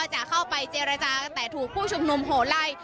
จะเข้าไปเจรจาแต่ถูกผู้ชุมนุมโหลัย